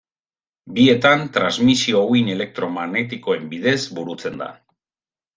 Bietan transmisio uhin elektromagnetikoen bidez burutzen da.